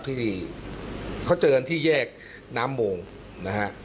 ที่เขาเจอกันที่แยกน้ำมงนะฮะ